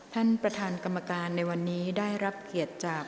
ท่านประธานกรรมการในวันนี้ได้รับเกียรติจาก